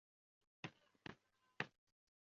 身上受到重重一击